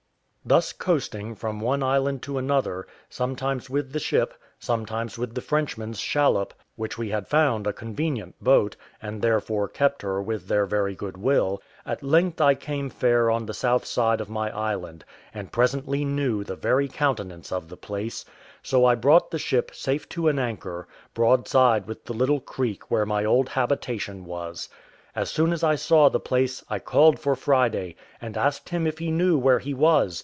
Thus coasting from one island to another, sometimes with the ship, sometimes with the Frenchman's shallop, which we had found a convenient boat, and therefore kept her with their very good will, at length I came fair on the south side of my island, and presently knew the very countenance of the place: so I brought the ship safe to an anchor, broadside with the little creek where my old habitation was. As soon as I saw the place I called for Friday, and asked him if he knew where he was?